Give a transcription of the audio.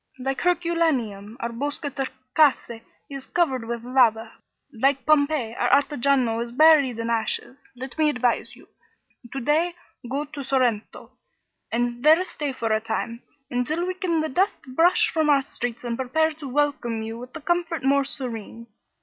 Like Herculaneum, our Boscatrecase is covered with lava; like Pompeii our Ottajano is buried in ashes. Let me advise you. To day go to Sorrento, and there stay for a time, until we can the dust brush from our streets and prepare to welcome you with the comfort more serene.